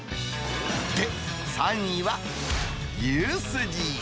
で、３位は牛すじ。